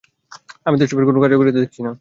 আমি তো এসবের কোনও কার্যকারিতা দেখছি না, তুমি দেখছ?